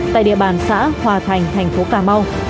tại địa bàn xã hòa thành thành phố cà mau